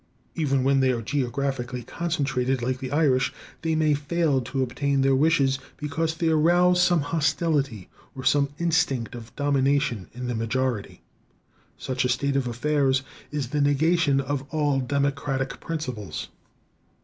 Even when they are geographically concentrated, like the Irish, they may fail to obtain their wishes, because they arouse some hostility or some instinct of domination in the majority. Such a state of affairs is the negation of all democratic principles.